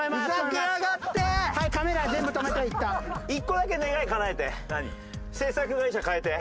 １個だけ願いかなえて。